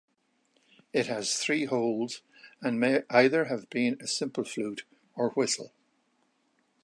It has three holes and may either have been a simple flute or whistle.